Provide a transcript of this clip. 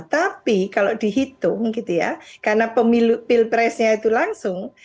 tapi kalau dihitung gitu ya karena pemilu pilpresnya itu langsung